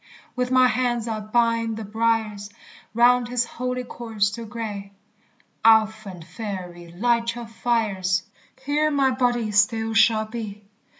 With my hands I'll bind the briers Round his holy corse to gre; Ouphant fairy, light your fires; Here my body still shall be.